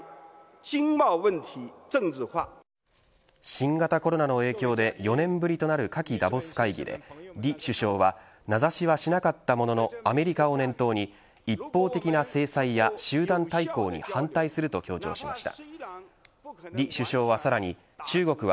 新型コロナの影響で４年ぶりとなる夏季ダボス会議で李首相は名指しはしなかったもののアメリカを念頭に一方的な制裁や集団対抗に反対すると強調しました。